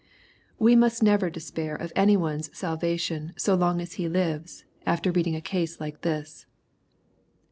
We must neverMespair of any one's salvation, so long as he lives, after reading a case like this.